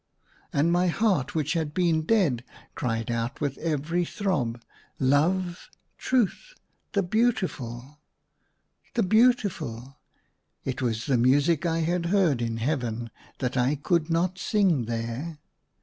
And my heart, which had been dead, cried out with every throb, " Love !— Truth !— the Beautiful !— the Beautiful !" It was the music I had heard in Heaven that I could not sing there.